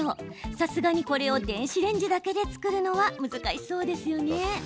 さすがに、これを電子レンジだけで作るのは難しそうですね。